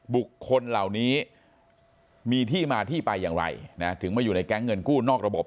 บุคคลเหล่านี้มีที่มาที่ไปอย่างไรนะถึงมาอยู่ในแก๊งเงินกู้นอกระบบ